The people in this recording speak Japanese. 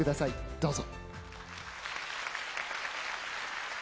どうぞ。